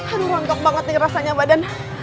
aduh rontok banget nih rasanya badan